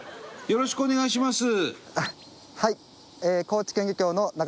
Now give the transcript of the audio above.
よろしくお願いします。